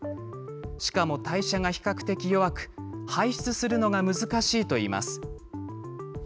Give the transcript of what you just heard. しかも代謝が比較的弱く、排出するのが難しいといいます。